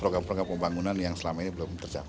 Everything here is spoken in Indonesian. program program pembangunan yang selama ini belum tercapai